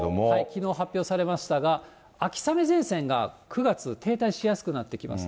きのう発表されましたが、秋雨前線が９月、停滞しやすくなってきます。